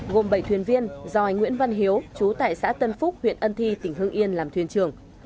gồm bảy thuyền viên do anh nguyễn văn hiếu chú tại xã tân phúc huyện ân thi tỉnh hương yên làm thuyền trưởng